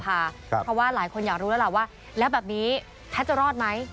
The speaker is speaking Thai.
เพราะว่าหลายคนอยากรู้แล้วล่ะว่าแล้วแบบนี้แพทย์จะรอดไหม